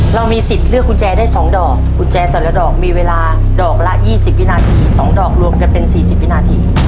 เรามีสิทธิ์เลือกกุญแจได้๒ดอกกุญแจแต่ละดอกมีเวลาดอกละ๒๐วินาที๒ดอกรวมกันเป็น๔๐วินาที